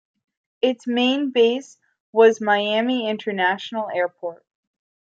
Its main base was Miami International Airport.